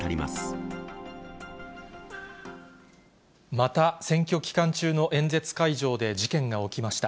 また選挙期間中の演説会場で事件が起きました。